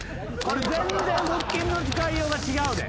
全然腹筋の使いようが違うで。